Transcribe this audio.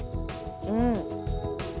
うん。